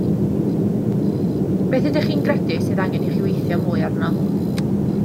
Beth ydych chi'n credu sydd angen i chi weithio mwy arno?